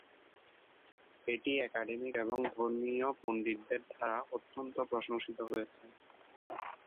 এটি একাডেমিক এবং ধর্মীয় পণ্ডিতদের দ্বারা অত্যন্ত প্রশংসিত হয়েছে।